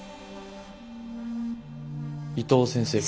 伊藤先生が。